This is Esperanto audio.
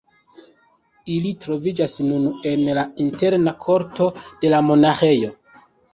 Ili troviĝas nun en la interna korto de la monaĥejo.